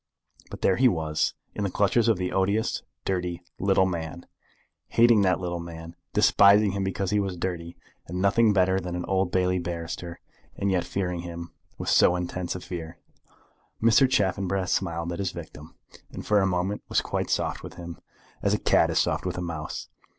But there he was, in the clutches of the odious, dirty, little man, hating the little man, despising him because he was dirty, and nothing better than an Old Bailey barrister, and yet fearing him with so intense a fear! Mr. Chaffanbrass smiled at his victim, and for a moment was quite soft with him, as a cat is soft with a mouse.